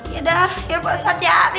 yaudah ya pak ustadz ya minta maaf ya